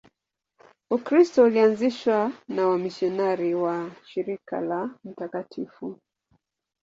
Ukristo ulianzishwa na wamisionari wa Shirika la Mt.